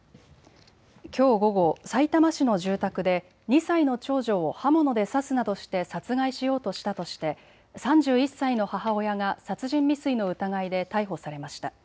きょう午後、さいたま市の住宅で２歳の長女を刃物で刺すなどして殺害しようとしたとして３１歳の母親が殺人未遂の疑いで逮捕されました。